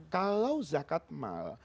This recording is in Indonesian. kalau zakat mal